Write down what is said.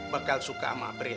bakal suka sama april